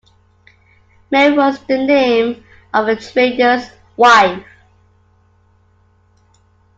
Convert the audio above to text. Mary was the name of a trader's wife.